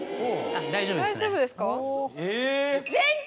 大丈夫ですね。